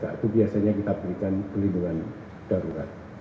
itu biasanya kita berikan perlindungan darurat